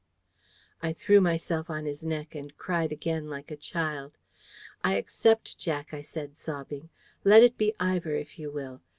I threw myself on his neck, and cried again like a child. "I accept, Jack," I said, sobbing. "Let it be Ivor, if you will.